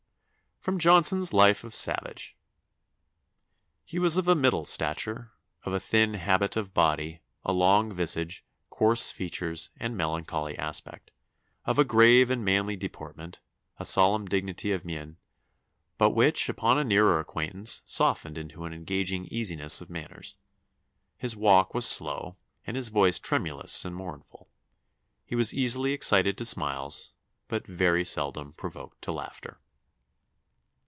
[Sidenote: Johnson's Life of Savage.] "He was of a middle stature, of a thin habit of body, a long visage, coarse features, and melancholy aspect; of a grave and manly deportment, a solemn dignity of mien, but which, upon a nearer acquaintance, softened into an engaging easiness of manners. His walk was slow, and his voice tremulous and mournful. He was easily excited to smiles, but very seldom provoked to laughter."